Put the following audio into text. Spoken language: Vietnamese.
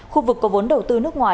khu vực có vốn đầu tiên